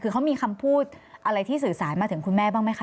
คือเขามีคำพูดอะไรที่สื่อสารมาถึงคุณแม่บ้างไหมคะ